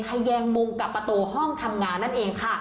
แยงมุมกับประตูห้องทำงานนั่นเองค่ะ